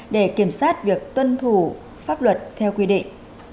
để kiểm soát việc tuân thủ pháp luật theo quy định